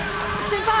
先輩！